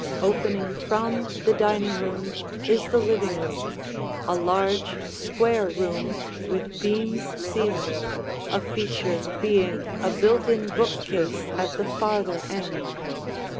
Opening from the dining room is the living room, a large, square room with beamed ceiling, a feature being a built in bookcase at the farther end.